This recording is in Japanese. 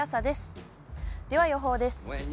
では予報です。